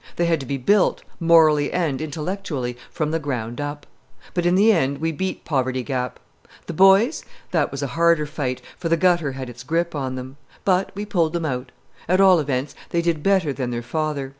They had to be built, morally and intellectually, from the ground up. But in the end we beat Poverty Gap. The boys? That was a harder fight, for the gutter had its grip on them. But we pulled them out. At all events, they did better than their father.